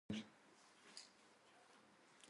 زېږوې که د دې خلکو په څېر بل خر